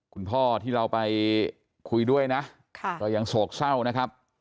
คุณพ่อที่เราไปคุยด้วยนะก็ยังโศกเศร้านะครับ